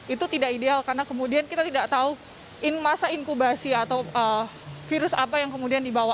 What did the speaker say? itu tidak ideal karena kemudian kita tidak tahu masa inkubasi atau virus apa yang kemudian dibawa